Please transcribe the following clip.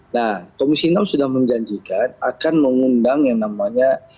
nah komisi enam sudah menjanjikan akan mengundang yang namanya